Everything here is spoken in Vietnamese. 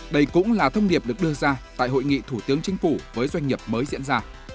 đây cũng là thông điệp được đưa ra tại hội nghị thủ tướng chính phủ với doanh nghiệp mới diễn ra